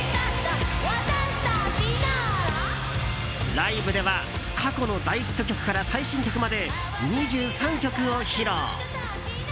ライブでは過去の大ヒット曲から最新曲まで２３曲を披露。